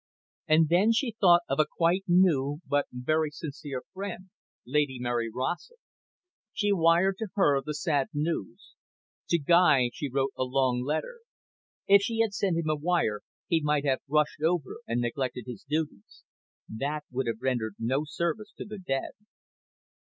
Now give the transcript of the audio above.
And then she thought of a quite new, but very sincere friend. Lady Mary Rossett. She wired to her the sad news. To Guy she wrote a long letter. If she had sent him a wire, he might have rushed over, and neglected his duties. That would have rendered no service to the dead.